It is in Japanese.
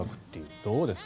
どうですか？